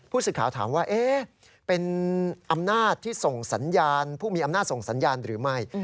สื่อข่าวถามว่าเป็นอำนาจที่ส่งสัญญาณผู้มีอำนาจส่งสัญญาณหรือไม่